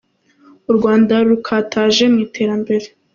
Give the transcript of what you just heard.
U Rwanda rurakataje mu iterambere.